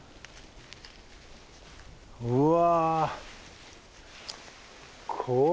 うわ。